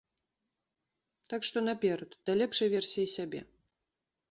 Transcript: Так што наперад, да лепшай версіі сябе!